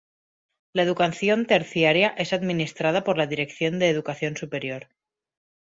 La educación terciaria es administrada por la Dirección de Educación Superior.